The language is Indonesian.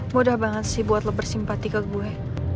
mudah banget sih buat lo bersimpati ke gue